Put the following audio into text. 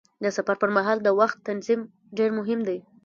د سفر پر مهال د وخت تنظیم ډېر مهم دی.